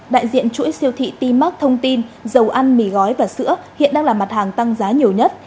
đại diện chuỗi siêu thị tmac thông tin dầu ăn mì gói và sữa hiện đang là mặt hàng tăng giá nhiều nhất